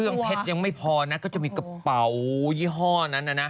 เพชรยังไม่พอนะก็จะมีกระเป๋ายี่ห้อนั้นนะ